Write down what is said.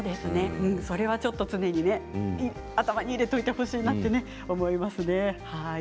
それはちょっと常に頭に入れておいてほしいなと思いますね。